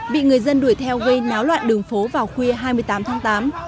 bị người dân đuổi theo gây náo loạn đường phố vào khuya hai mươi tám tháng tám